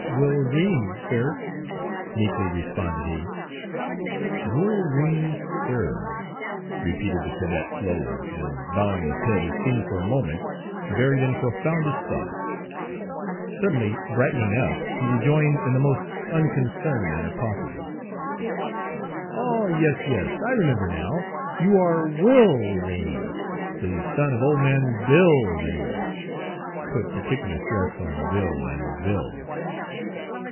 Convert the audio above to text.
"Wilreni, sir," meekly responded he. "Wilreni, sir!" repeated the cadet slowly, and bowing his head he seemed for a moment buried in profoundest thought. Suddenly brightening up, he rejoined in the most unconcerned manner possible: "Oh! yes, yes, I remember now. You are Will Reni, the son of old man Bill Reni," put particular stress on "Will" and "Bill."